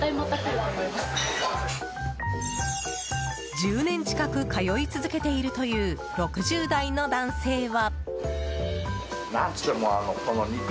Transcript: １０年近く通い続けているという６０代の男性は。